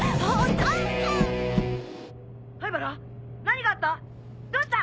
何があった？